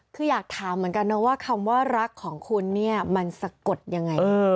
คืออยากถามเหมือนกันนะว่าคำว่ารักของคุณเนี่ยมันสะกดยังไง